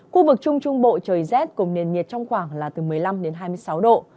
khu vực trung trung bộ trời rét cùng nền nhiệt trong khoảng là từ một mươi năm đến hai mươi sáu độ